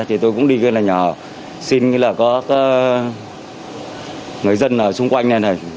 thì tôi cũng đi kia là nhờ xin là có người dân ở xung quanh này này